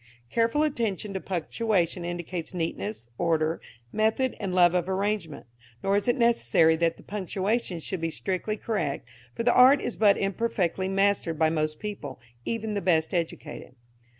Careful attention to punctuation indicates neatness, order, method and love of arrangement; nor is it necessary that the punctuation should be strictly correct, for the art is but imperfectly mastered by most people, even the best educated.